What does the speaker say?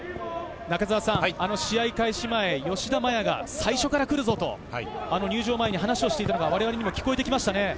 試合開始前、吉田麻也が最初から来るぞと入場前に話をしていたのが我々にも聞こえてきましたね。